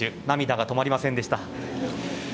涙が止まりませんでした。